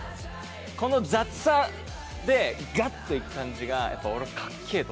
この雑さでガッと行く感じがやっぱ俺かっけえと思ってて。